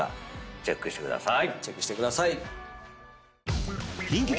チェックしてください。